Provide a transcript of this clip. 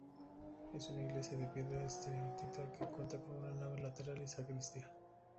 Es una iglesia de piedra esteatita que cuenta con una nave lateral y sacristía.